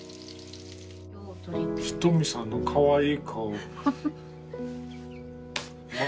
ひとみさんのかわいい顔。